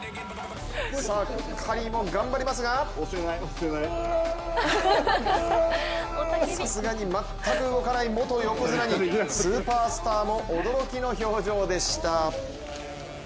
カリーも頑張りますがさすがに全く動かない元横綱にスーパースターも驚きの表情でした。